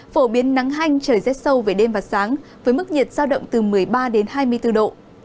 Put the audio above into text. phổ biến nắng hanh trời rét sâu về đêm và sáng với mức nhiệt giao động từ một mươi ba đến hai mươi bốn độ